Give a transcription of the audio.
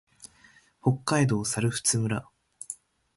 北海道猿払村